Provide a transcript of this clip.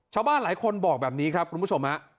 ชาวบ้านหลายคนบอกแบบนี้ครับคุณผู้ชมฮะ